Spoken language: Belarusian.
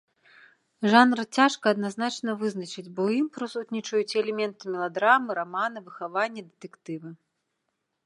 Жанр цяжка адназначна вызначыць, бо ў ім прысутнічаюць і элементы меладрамы, рамана выхавання, дэтэктыва.